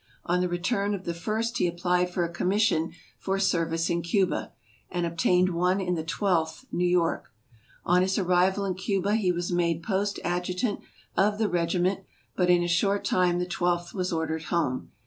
On the return of the First he applied for a commission for service in Cuba, and obtained one in the Twelfth New York. On his arrival in Cuba he was made Post Ad jut ant of the regiment, but in a short time the Twelfth was ordered home.